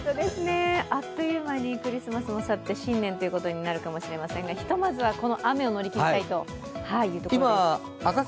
あっという間にクリスマスも去って新年ということになるかもしれませんがひとまずは、この雨を乗り切りたいというところです。